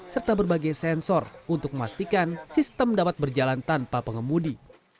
serta berbagai sensor untuk memastikan sistem dapat berjalan tanpa pengemudi